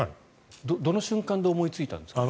どの瞬間で思いついたんですか？